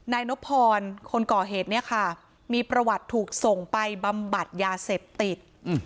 นายนพรคนก่อเหตุเนี่ยค่ะมีประวัติถูกส่งไปบำบัดยาเสพติด